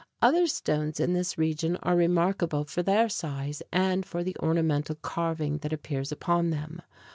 Other stones in this region are remarkable for their size and for the ornamental carving that appears upon them.